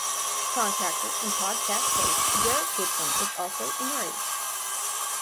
Contractor and podcast host Derrick Gibson is also in the race.